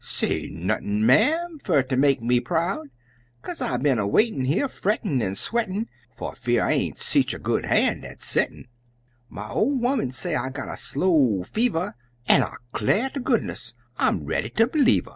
"Say nothin', ma'am, fer ter make me proud, Kaze I been a waitin' here, frettin' an' sweatin', Fer fear I ain't sech a good han' at settin'; My ol' 'oman say I got a slow fever, An' I 'clar' ter goodness, I'm ready ter b'lieve her!